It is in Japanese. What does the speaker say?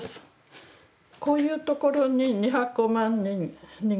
こういうところに２００万人。